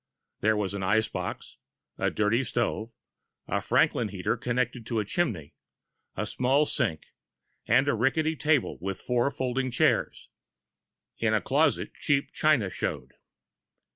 There was an ice box, a dirty stove, a Franklin heater connected to the chimney, a small sink, and a rickety table with four folding chairs. In a closet, cheap china showed.